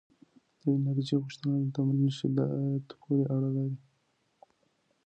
د انرژۍ غوښتنه د تمرین شدت پورې اړه لري؟